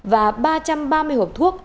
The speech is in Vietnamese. và ba trăm ba mươi hộp thuốc